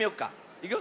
いくよ。